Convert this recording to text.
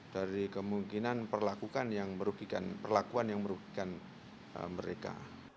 dari kemungkinan perlakuan yang merugikan mereka